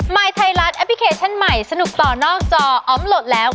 ยไทยรัฐแอปพลิเคชันใหม่สนุกต่อนอกจออมโหลดแล้ว